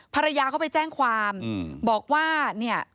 ภรรยาเขาไปแจ้งความบอกว่าเนี่ย